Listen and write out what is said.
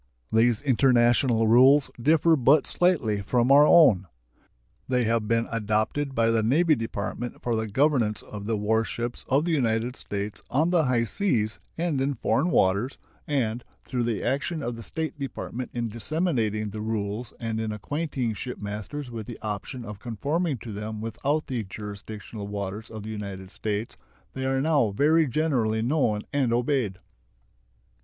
These international rules differ but slightly from our own. They have been adopted by the Navy Department for the governance of the war ships of the United States on the high seas and in foreign waters, and, through the action of the State Department in disseminating the rules and in acquainting shipmasters with the option of conforming to them without the jurisdictional waters of the United States, they are now very generally known and obeyed.